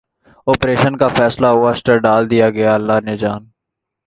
operation کا فیصلہ ہوا سٹنٹ ڈال دیا گیا اللہ نے جان